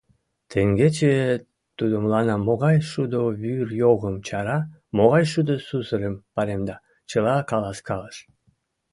Теҥгече тудо мыланна могай шудо вӱр йогымым чара, могай шудо сусырым паремда, чыла каласкалыш.